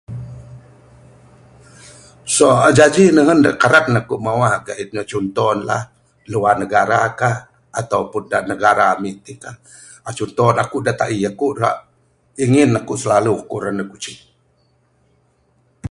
So, aaa jaji nehen da karan aku mawah gain chunto ne lah luat negara kah, ataupun da negara ami ti kah , aaa chunto ne aku da Taee, aku rak ingin aku slalu ku rak neg je.......